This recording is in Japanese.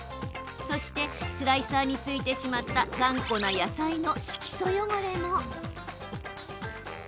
そしてスライサーについてしまったガンコな野菜の色素汚れも。